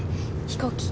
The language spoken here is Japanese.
飛行機。